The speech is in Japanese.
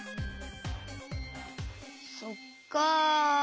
そっか。